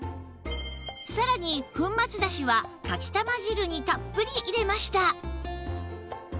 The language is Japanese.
さらに粉末だしはかきたま汁にたっぷり入れました